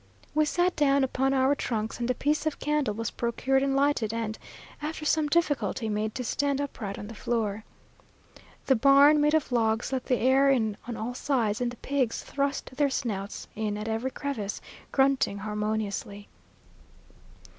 We sat down upon our trunks, and a piece of candle was procured and lighted, and, after some difficulty, made to stand upright on the floor. The barn, made of logs, let the air in on all sides, and the pigs thrust their snouts in at every crevice, grunting harmoniously.